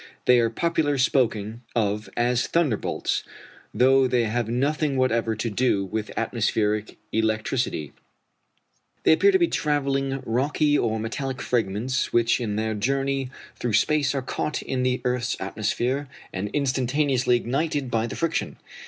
They are popularly spoken of as thunderbolts, though they have nothing whatever to do with atmospheric electricity. [Illustration: FIG. 95. Meteorite.] They appear to be travelling rocky or metallic fragments which in their journey through space are caught in the earth's atmosphere and instantaneously ignited by the friction.